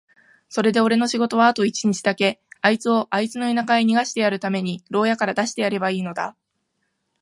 それでおれの仕事はあと一日だけ、あいつをあいつの田舎へ逃してやるために牢屋から出してやればいいのだ。